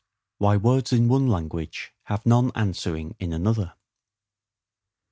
Why Words in one Language have none answering in another.